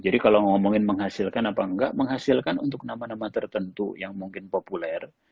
jadi kalau ngomongin menghasilkan apa enggak menghasilkan untuk nama nama tertentu yang mungkin populer